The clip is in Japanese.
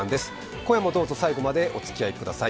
今夜もどうぞ最後までおつきあいください。